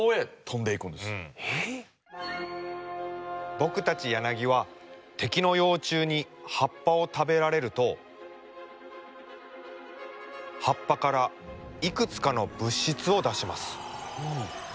僕たちヤナギは敵の幼虫に葉っぱを食べられると葉っぱからいくつかの物質を出します。